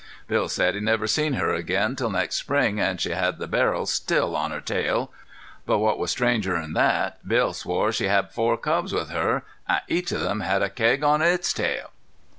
Bill said he never seen her again till next spring, an' she had the barrel still on her tail. But what was stranger'n thet Bill swore she had four cubs with her an' each of them had a keg on its tail."